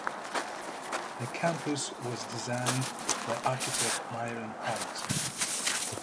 The campus was designed by architect Myron Hunt.